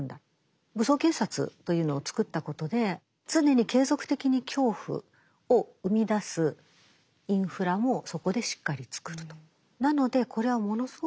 武装警察というのを作ったことで常に継続的に恐怖を生みだすインフラもそこでしっかり作ると。